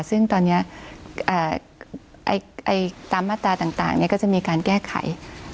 ซึ่งตอนนี้ตามมาตราต่างก็จะมีการแก้ไข